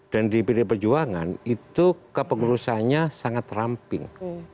dan di pd perjuangan itu kepengurusannya sangat ramping